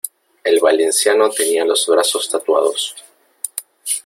El valenciano tenía los brazos tatuados.